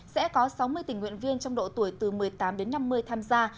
sẽ có sáu mươi tình nguyện viên trong độ tuổi từ một mươi tám đến năm mươi tham gia